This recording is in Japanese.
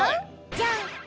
じゃん！